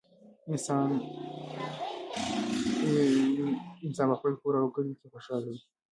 انسان په خپل کور او کلي کې خوشحاله وي